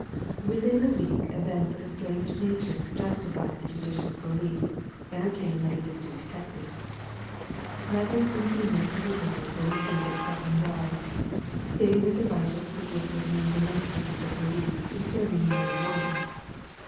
Within the week events of a strange nature justi fied the judicious belief entertained by the astute detective. Letters in female caligraphy were received at Scotland Yard, stating that the writers could give certain information to the police concerning the murdered woman.